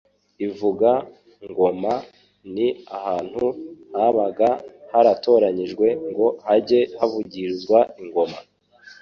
Ivuga-Ngoma ,ni ahantu habaga haratoranyijwe ngo hajye havugirizwa ingoma